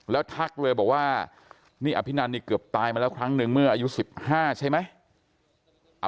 แล้วทักเลยบอกว่านี่อภินันนี่เกือบตายมาแล้วครั้งหนึ่งเมื่ออายุ๑๕ใช่ไหม